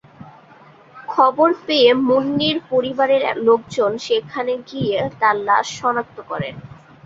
খবর পেয়ে মুন্নির পরিবারের লোকজন সেখানে গিয়ে তাঁর লাশ শনাক্ত করেন।